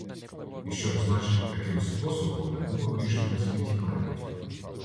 І щоб, значить, таким способом не було більше на світі наймитів.